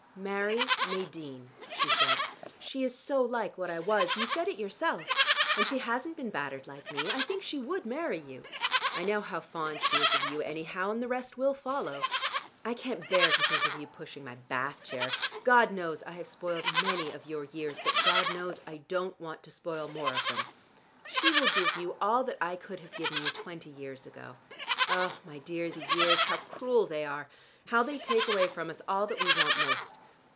"Marry Nadine," she said. "She is so like what I was: you said it yourself. And she hasn't been battered like me. I think she would marry you. I know how fond she is of you, anyhow, and the rest will follow. I can't bear to think of you pushing my Bath chair. God knows, I have spoiled many of your years. But, God knows, I don't want to spoil more of them. She will give you all that I could have given you twenty years ago. Ah, my dear, the years. How cruel they are! How they take away from us all that we want most!